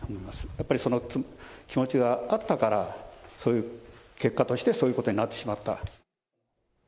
やっぱり、その気持ちがあったから、そういう、結果として、そういうことになってしまった。